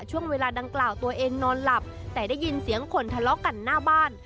ช่วงเวลาดังกล่าวตัวเองนอนหลับแต่ได้ยินเสียงคนทะเลาะกันหน้าบ้าน